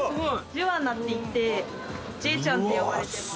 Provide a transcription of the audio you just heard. ジュアナっていってジェイちゃんって呼ばれてます。